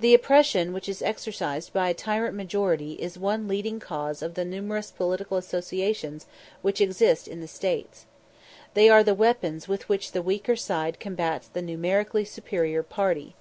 The oppression which is exercised by a tyrant majority is one leading cause of the numerous political associations which exist in the States. They are the weapons with which the weaker side combats the numerically superior party.